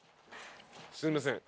すいません。